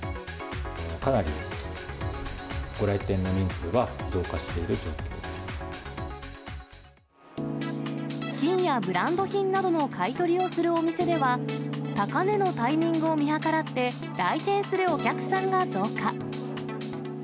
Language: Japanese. かなりご来店の人数は増加し金やブランド品などの買い取りをするお店では、高値のタイミングを見計らって来店するお客さんが増加。